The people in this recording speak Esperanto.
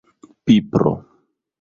pipro